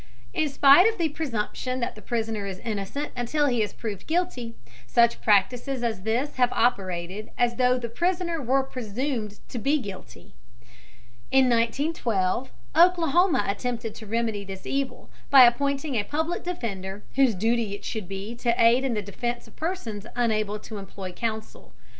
In spite of the presumption that the prisoner is innocent until he is proved guilty, such practices as this have operated as though the prisoner were presumed to be guilty. In 1912 Oklahoma attempted to remedy this evil by appointing a Public Defender whose duty it should be to aid in the defense of persons unable to employ counsel.